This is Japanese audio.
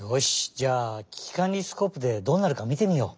じゃあききかんりスコープでどうなるかみてみよう！